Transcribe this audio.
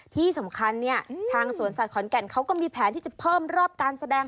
ที่สำคัญเนี่ยทางสวนสัตว์ขอนแก่นเขาก็มีแผนที่จะเพิ่มรอบการแสดง